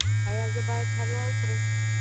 ایا زه باید حلوا وخورم؟